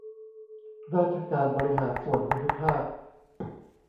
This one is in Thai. ราชการบริหารส่วนภูมิภาค